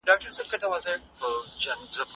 څېړونکی باید په هره موضوع کي ژوره مطالعه وکړي.